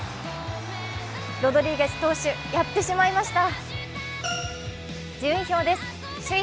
ロドリゲス投手、やってしまいました。